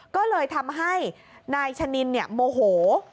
ก็เลยทำให้นายชะนินโมโห